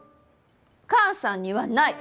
母さんにはない。